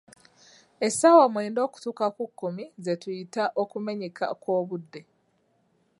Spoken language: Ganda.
Essaawa mwenda okutuuka ku kkumi ze tuyita "okumenyeka kw’obudde".